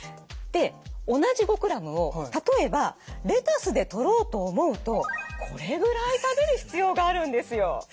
で同じ５ｇを例えばレタスでとろうと思うとこれぐらい食べる必要があるんですよ。